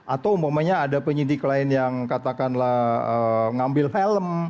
atau umpamanya ada penyidik lain yang katakanlah ngambil helm